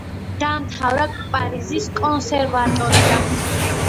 დაამთავრა პარიზის კონსერვატორია.